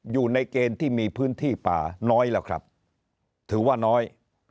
อยู่ในเกณฑ์ที่มีพื้นที่ป่าน้อยแล้วครับถือว่าน้อย